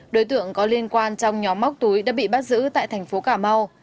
đối tượng có liên quan trong nhóm móc túi đã bị bắt giữ tại thành phố cà mau